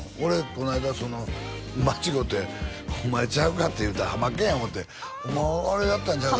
この間間違うて「お前ちゃうか？」って言うたハマケンや思うて「お前あれやったんちゃう？」